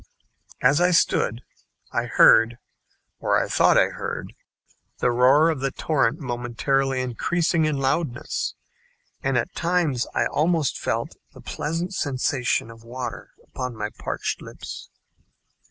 As I stood, I heard, or I thought I heard, the roar of the torrent momentarily increasing in loudness, and at times I almost felt the pleasant sensation of water upon my parched lips.